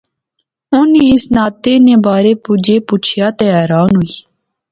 انی اس ناطے نے بارے چ بجیا تہ حیران ہوئی